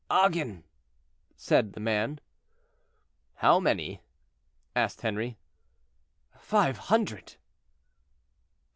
"Agen," said the man. "How many?" asked Henri. "Five hundred."